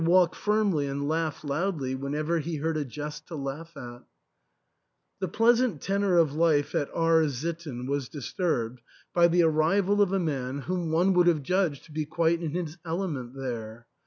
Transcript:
walk firmly and laugh loudly whenever he beard a jest to laugh at The pleasant tenor of life at R — sitten was disturbed by the arrival of a man whom one would have judged to be quite in his element there.